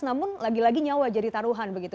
namun lagi lagi nyawa jadi taruhan begitu